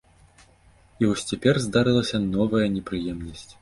І вось цяпер здарылася новая непрыемнасць.